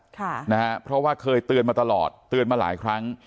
ค่ะนะฮะเพราะว่าเคยเตือนมาตลอดเตือนมาหลายครั้ง